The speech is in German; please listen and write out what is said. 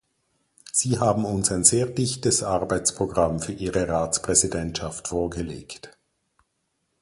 Sie haben uns ein sehr dichtes Arbeitsprogramm für Ihre Ratspräsidentschaft vorgelegt.